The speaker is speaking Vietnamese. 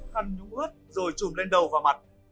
khăn nhúng ướt rồi trùm lên đầu và mặt